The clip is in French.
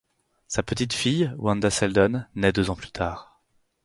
Sa petite fille, Wanda Seldon, naît deux ans plus tard.